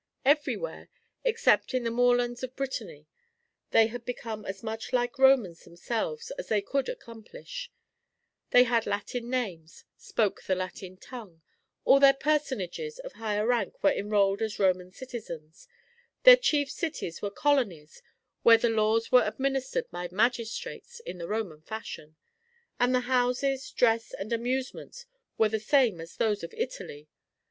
Everywhere, except in the moorlands of Brittany, they had become as much like Romans themselves as they could accomplish; they had Latin names, spoke the Latin tongue, all their personages of higher rank were enrolled as Roman citizens, their chief cities were colonies where the laws were administered by magistrates in the Roman fashion, and the houses, dress, and amusements were the same as those of Italy.